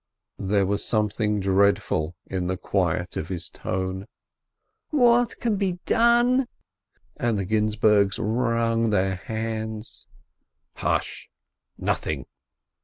There was something dreadful in the quiet of his tone. "What can be done ?" and the Ginzburgs wrung their hands. "Hush! Nothing!